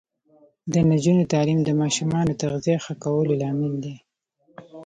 د نجونو تعلیم د ماشومانو تغذیه ښه کولو لامل دی.